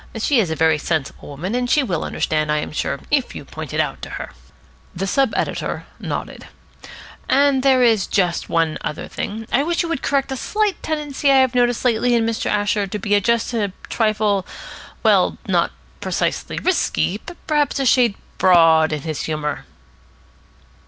She is a very sensible woman, and she will understand, I am sure, if you point it out to her." The sub editor nodded. "And there is just one other thing. I wish you would correct a slight tendency I have noticed lately in Mr. Asher to be just a trifle well, not precisely risky, but perhaps a shade broad in his humour."